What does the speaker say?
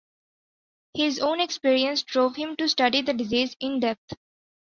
His own experience drove him to study the disease in depth.